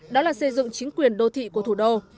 đó là xây dựng chính quyền đô thị của thủ đô